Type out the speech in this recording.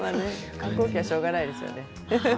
反抗期はしょうがないですよね。